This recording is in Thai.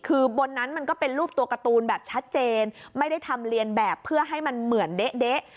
คือบนนั้นมันก็เป็นรูปตัวการ์ตูนแบบชัดเจนไม่ได้ทำเรียนแบบเพื่อให้มันเหมือนเด๊ะ